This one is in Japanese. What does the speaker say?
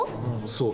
そう。